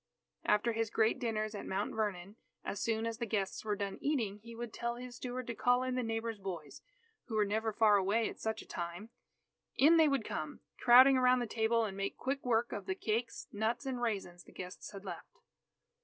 After his great dinners at Mount Vernon, as soon as the guests were done eating, he would tell his steward to call in the neighbours' boys, who were never far away at such a time. In they would come, crowding around the table, and make quick work of the cakes, nuts, and raisins the guests had left.